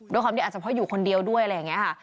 ด้วยความที่อาจจะเพราะอยู่คนเดียวด้วยอะไรอย่างนี้ค่ะ